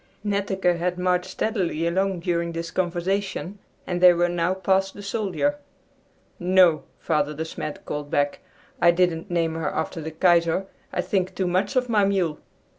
Netteke had marched steadily along during this conversation, and they were now past the soldier. "No," Father De Smet called back, "I didn't name her after the Kaiser. I think too much of my mule!"